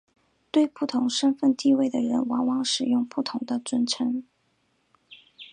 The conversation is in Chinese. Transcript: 对不同身份地位的人往往使用不同的尊称。